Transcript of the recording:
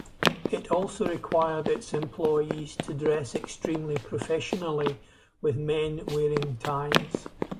It also required its employees to dress extremely professionally, with men wearing ties.